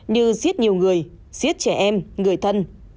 như giết nhiều người giết trẻ em người thân